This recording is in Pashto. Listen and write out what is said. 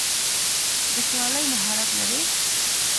د کلالۍ مهارت لری؟